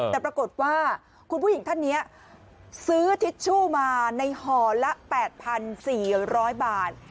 แต่ปรากฏว่าคุณผู้หญิงท่านนี้ซื้อทิชชู่มาในห่อละ๘๔๐๐บาท